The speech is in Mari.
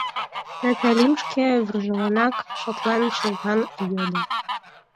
Наталим шке вӱржыланак шотлен, чолган йодо: